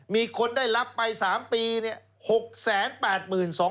มีคนได้รับไป๓ปีเนี่ย